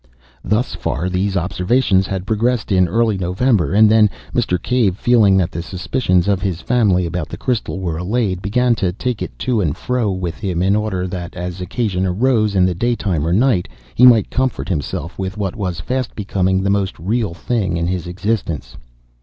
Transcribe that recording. Thus far these observations had progressed in early November, and then Mr. Cave, feeling that the suspicions of his family about the crystal were allayed, began to take it to and fro with him in order that, as occasion arose in the daytime or night, he might comfort himself with what was fast becoming the most real thing in his existence.